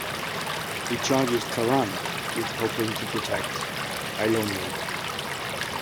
He charges Taran with helping to protect Eilonwy.